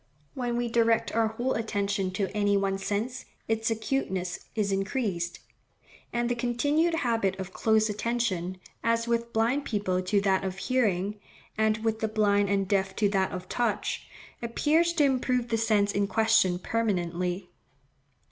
When we direct our whole attention to any one sense, its acuteness is increased; and the continued habit of close attention, as with blind people to that of hearing, and with the blind and deaf to that of touch, appears to improve the sense in question permanently.